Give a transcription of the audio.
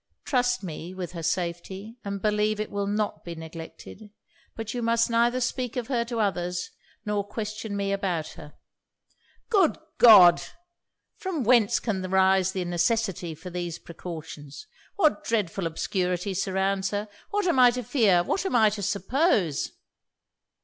Trust me with her safety, and believe it will not be neglected. But you must neither speak of her to others, or question me about her.' 'Good God! from whence can arise the necessity for these precautions! What dreadful obscurity surrounds her! What am I to fear? What am I to suppose?'